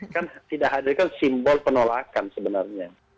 kan tidak hadir kan simbol penolakan sebenarnya